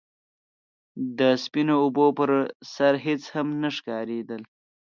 د سپينو اوبو پر سر هيڅ هم نه ښکارېدل.